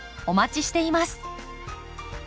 お待ちしています。